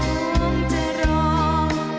เสียงรัก